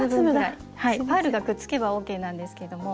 はいパールがくっつけばＯＫなんですけども。